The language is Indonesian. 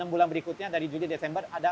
enam bulan berikutnya dari juli desember ada